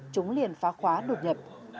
chúng liền phá khóa đột nhập